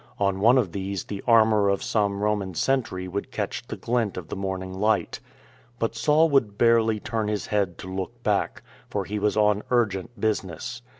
On one of these the armour of some Roman sentry would catch the glint of the morning light. But Saul would barely turn his head to look back, for he was on urgent business.